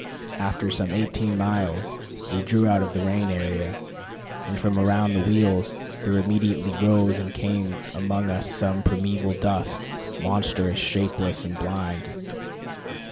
After some eighteen miles we drew out of the rain area, and from around the wheels there immediately arose and came among us a primeval dust, monstrous, shapeless, and blind.